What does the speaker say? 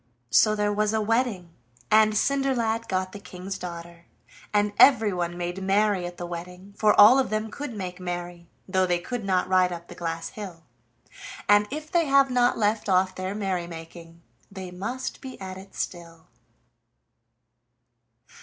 So there was a wedding, and Cinderlad got the King's daughter, and everyone made merry at the wedding, for all of them could make merry, though they could not ride up the glass hill, and if they have not left off their merry making they must be at it still.